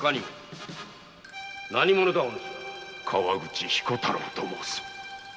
（太田川口彦太郎と申す。